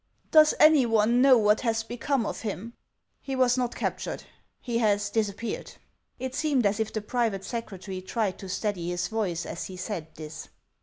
~ iK es any one know what has become of him ?" He was not captured ; he has disappeared."'' I: seemed as if the private secretary tried to steady his voice as he said this.